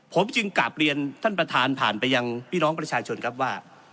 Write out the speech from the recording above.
ผมจึงกลับเรียนท่านประธานผ่านไปยังพี่น้องประชาชนครับว่า